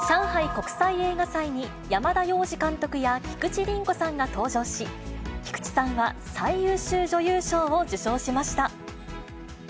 国際映画祭に山田洋次監督や菊地凛子さんが登場し、菊地さんは最優秀女優賞を受賞しました。